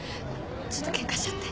ちょっと喧嘩しちゃって。